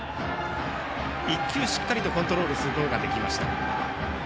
１球しっかりコントロールすることができました。